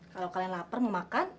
kalau kalian lapar mau makan